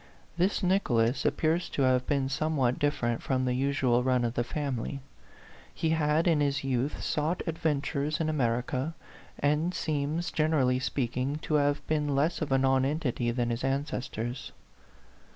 This Nicholas appears to have been somewhat dif ferent from the usual run of the family. He had, in his youth, sought adventures in America, and seems, generally speaking, to have been less of a nonentity than his ances tors.